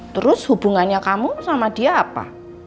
terus hubungannya kamu sama dia apa